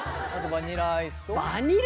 バニラアイス。